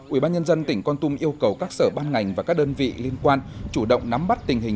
ủy ban nhân dân tỉnh con tum yêu cầu các sở ban ngành và các đơn vị liên quan chủ động nắm bắt tình hình